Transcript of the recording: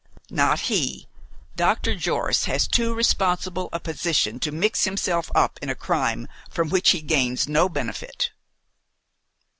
"Not he! Dr. Jorce has too responsible a position to mix himself up in a crime from which he gains no benefit."